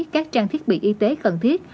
các trang thiết bị y tế cần thiết